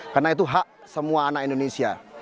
karena itu hak semua anak indonesia